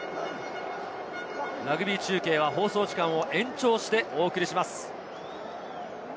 ラグビー中継は放送時間を延長してお送りします。